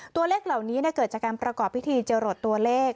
ตัวเลขเหล่านี้เกิดจากการประกอบพิธีจรดตัวเลข